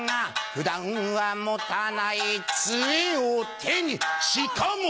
普段は持たない杖を手にしかも！